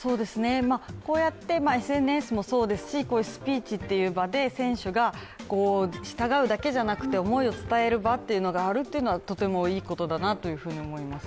こうやってＳＮＳもそうですしスピーチっていう場で選手が従うだけじゃなくて思いを伝える場っていうのがあるっていうのはとてもいいことだと思います。